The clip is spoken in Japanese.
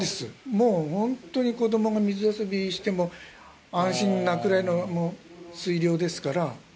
もう本当に、子どもが水遊びしても安心なくらいの水量ですから。